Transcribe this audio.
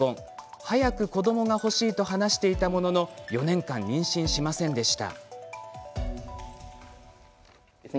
早く子どもが欲しいと話していたものの４年間、妊娠しませんでした。